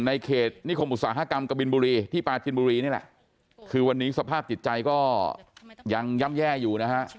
ในเขตนิคมอุตสาหกรรมกบินบุรีที่ปาจินบุรีนี่แหละคือวันนี้สภาพจิตใจก็ยังย่ำแย่อยู่นะฮะ